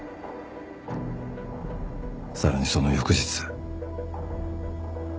さらにその翌日。